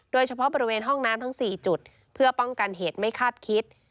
โดยเฉพาะบริเวณห้องน้ำทั้ง๔จุดเพื่อป้องกันเหตุไม่คาดคิด